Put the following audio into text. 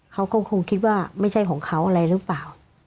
เขาก็คงคิดว่าไม่ใช่ของเขาอะไรหรือเปล่า